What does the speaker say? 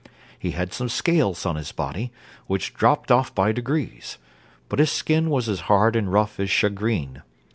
He had some scales on his body, which dropped off by degrees; but his skin was as hard and rough as shagreen.